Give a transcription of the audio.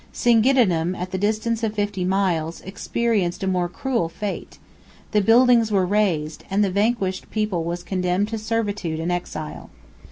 Singidunum, at the distance of fifty miles, experienced a more cruel fate: the buildings were razed, and the vanquished people was condemned to servitude and exile.